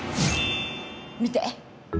見て！